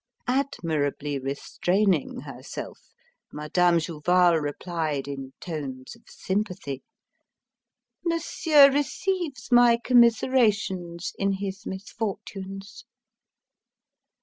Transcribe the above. Admirably restraining herself, Madame Jouval replied in tones of sympathy: "Monsieur receives my commiserations in his misfortunes."